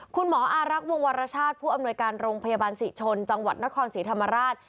คุณหมออารักษ์วงวรชาติผู้อำนวยการโรงพยาบาลศรีชนจังหวัดนครศรีธรรมราช